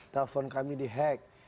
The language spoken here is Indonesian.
telepon kami dihack